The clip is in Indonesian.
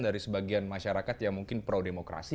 dari sebagian masyarakat yang mungkin pro demokrasi